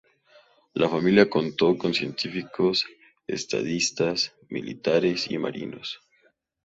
La familia contó con científicos, estadistas, militares y marinos.